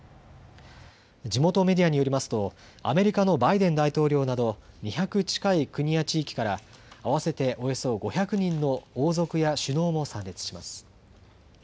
地元メディアによりますとアメリカのバイデン大統領など２００近い国や地域から合わせておよそ５００人の王族や首脳も参列します。